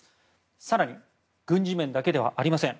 更に軍事面だけではありません。